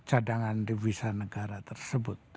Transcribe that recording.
cadangan devisa negara tersebut